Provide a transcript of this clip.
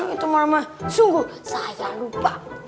itu mama sungguh saya lupa